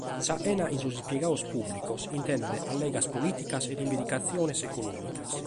In sa chena cun sos impiegados pùblicos intendet allegas polìticas e rivendicatziones econòmicas.